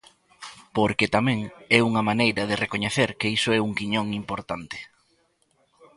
Porque tamén é unha maneira de recoñecer que iso é un quiñón importante.